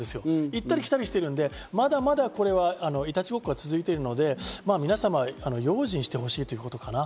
行ったり来たりしているので、まだこれは、いたちごっこが続いているので、皆様、用心してほしい。